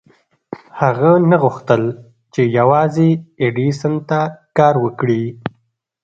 هغه نه غوښتل چې يوازې ايډېسن ته کار وکړي.